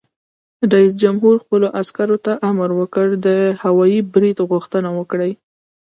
رئیس جمهور خپلو عسکرو ته امر وکړ؛ د هوايي برید غوښتنه وکړئ!